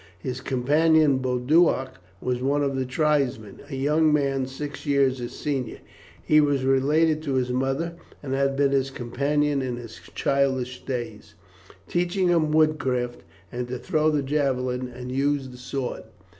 His companion, Boduoc, was one of the tribesmen, a young man six years his senior. He was related to his mother, and had been his companion in his childish days, teaching him woodcraft, and to throw the javelin and use the sword.